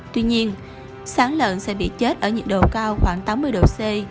tuy nhiên sán lợn sẽ bị chết ở nhiệt độ cao khoảng tám mươi độ c